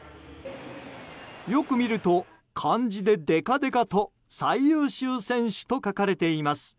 よく見ると漢字でデカデカと最優秀選手と書かれています。